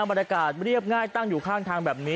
บรรยากาศเรียบง่ายตั้งอยู่ข้างทางแบบนี้